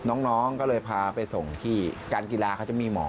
น้องก็เลยพาไปส่งที่การกีฬาเขาจะมีหมอ